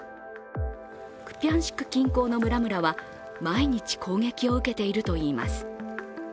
クピャンシク近郊の村々は毎日攻撃を受けているといいます。